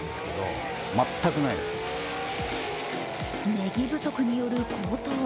ねぎ不足による高騰。